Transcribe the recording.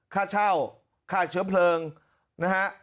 ค่าเช่าค่าเชื้อเพลิงนะฮะ